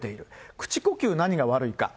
口呼吸、何が悪いか。